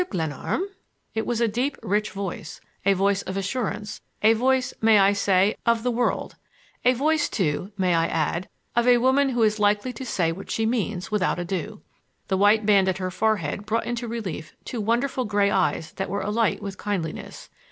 Glenarm?" It was a deep, rich voice, a voice of assurance, a voice, may I say? of the world,—a voice, too, may I add? of a woman who is likely to say what she means without ado. The white band at her forehead brought into relief two wonderful gray eyes that were alight with kindliness.